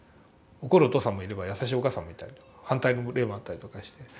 怒るお父さんもいれば優しいお母さんもいたりとか反対の例もあったりとかして。